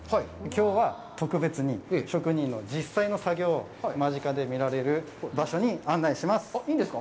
きょうは、特別に職人の実際の作業を間近で見られる場所に案内します。